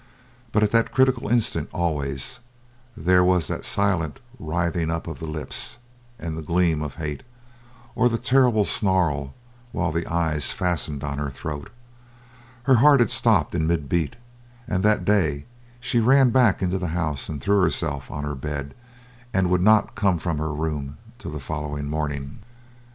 But at the critical instant always there was the silent writhing up of the lips and the gleam of hate or the terrible snarl while the eyes fastened on her throat. Her heart had stopped in mid beat; and that day she ran back into the house and threw herself on her bed, and would not come from her room till the following morning.